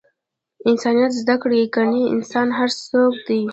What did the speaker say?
انسانیت زده کړئ! کنې انسان هر څوک دئ!